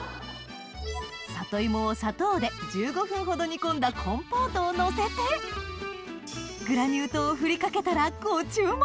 里芋を砂糖で１５分ほど煮込んだコンポートをのせてグラニュー糖を振りかけたらご注目！